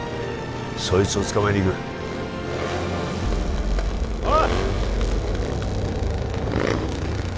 そいつを捕まえに行くおい！